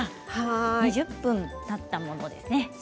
２０分たったものですね。